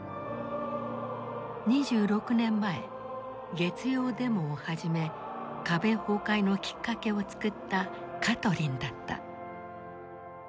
２６年前月曜デモを始め壁崩壊のきっかけを作ったカトリンだった。